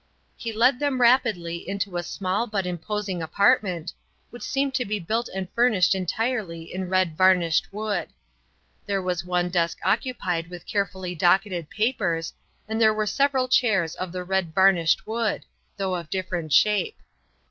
He led them rapidly into a small but imposing apartment, which seemed to be built and furnished entirely in red varnished wood. There was one desk occupied with carefully docketed papers; and there were several chairs of the red varnished wood though of different shape.